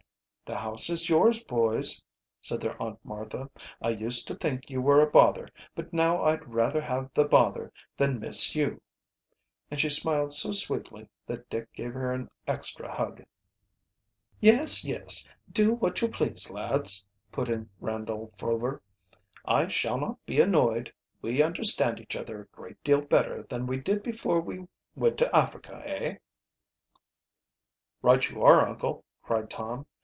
"The house is yours, boys," said their Aunt Martha. "I used to think you were a bother, but now I'd rather have the bother than miss you," and she smiled so sweetly that Dick gave her an extra hug. "Yes, yes, do what you please, lads," put in Randolph Rover. "I shall not be annoyed. We understand each other a great deal better than we did before we went to Africa, eh?" "Right you are, uncle!" cried Tom.